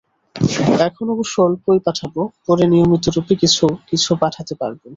এখন অবশ্য অল্পই পাঠাব, পরে নিয়মিতরূপে কিছু কিছু পাঠাতে পারব।